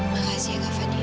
makasih ya kak fadhil